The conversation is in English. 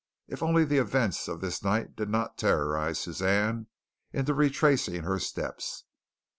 If only the events of this night did not terrorize Suzanne into retracing her steps!